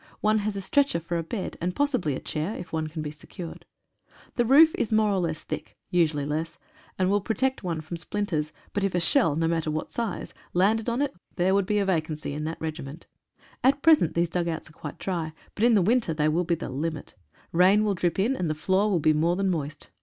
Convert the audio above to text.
One has a stretcher for a bed, and possibly a chair, if one can be secured. The roof is more or less thick, usually less, and will protect one from splinters ; but if a shell, no matter what size, landed on it, there would be a vacancy in that regiment. At 116 AMBULANCE METHODS present these dugouts are quite dry, but in winter they will be the limit. Rain will drip in, and the floor will be more than moist.